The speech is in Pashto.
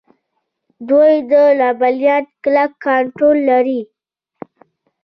دوی د لبنیاتو کلک کنټرول لري.